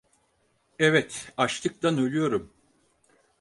Evet, açlıktan ölüyorum.